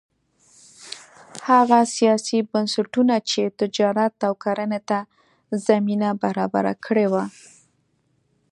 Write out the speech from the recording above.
هغه سیاسي بنسټونه چې تجارت او کرنې ته زمینه برابره کړې وه